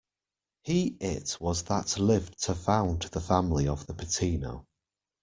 He it was that lived to found the family of the Patino.